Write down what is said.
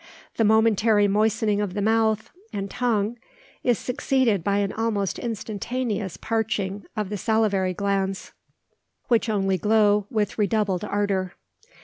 The momentary moistening of the mouth and tongue is succeeded by an almost instantaneous parching of the salivary glands, which only glow with redoubled ardour.